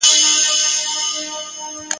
د ړندو لېونو ښار دی د هرچا په وینو سور دی ..